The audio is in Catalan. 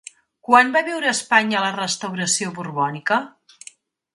Quan va viure Espanya la restauració borbònica?